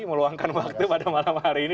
meluangkan waktu pada malam hari ini